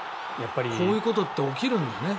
こういうことって起きるんだね。